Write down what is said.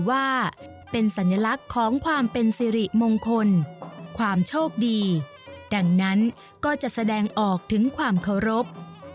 ว่าเป็นสัญลักษณ์ของความเป็นสิริมงคลความโชคดีดังนั้นก็จะแสดงออกถึงความเคารพ